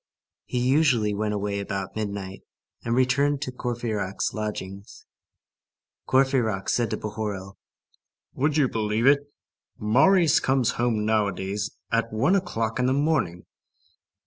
He usually went away about midnight, and returned to Courfeyrac's lodgings. Courfeyrac said to Bahorel:— "Would you believe it? Marius comes home nowadays at one o'clock in the morning."